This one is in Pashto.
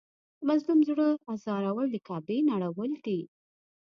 د مظلوم زړه ازارول د کعبې نړول دي.